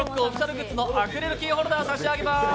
ＲＯＣＫのアクリルキーホルダーを差し上げます。